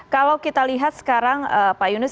kalau kita lihat sekarang pak yunus